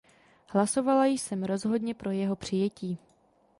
Hlasovala jsem rozhodně pro jeho přijetí.